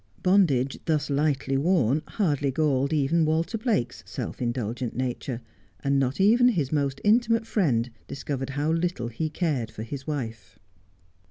Bondage thus lightly worn hardly galled even Walter Blake's self indulgent nature, and not even his most intimate friend dis covered how little he cared for his wife.